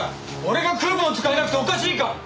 俺がクーポン使えなくておかしいか！？